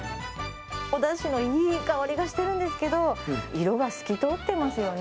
おだしのいい香りがしてるんですけど、色が透き通ってますよね。